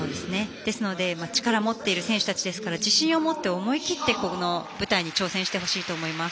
ですので、力を持っている選手たちですから自信を持って思い切ってこの舞台に挑戦してほしいと思います。